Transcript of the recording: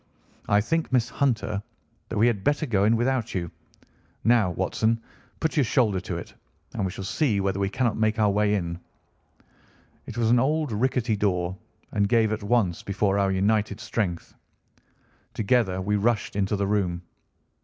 "I think, Miss Hunter, that we had better go in without you. Now, Watson, put your shoulder to it, and we shall see whether we cannot make our way in." It was an old rickety door and gave at once before our united strength. Together we rushed into the room.